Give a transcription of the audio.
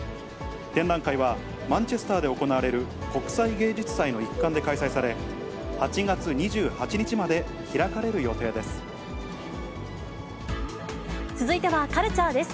展覧会はマンチェスターで行われる国際芸術祭の一環で開催され、続いてはカルチャーです。